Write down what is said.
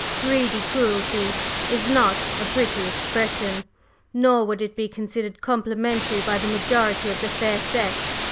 'Greedy cruelty' is not a pretty expression, nor would it be considered complimentary by the majority of the fair sex.